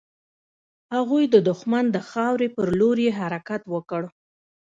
هغوی د دښمن د خاورې پر لور يې حرکت وکړ.